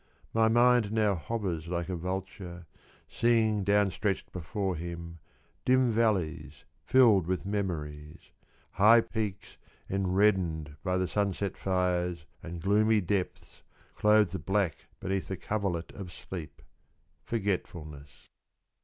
My mind now hovers like a vulture Seeing down stretched before him Dim valleys filled with memories, High peaks enreddened by the sunset fires And gloomy depths, clothed black Beneath the coverlet of sleep, forgetfulness.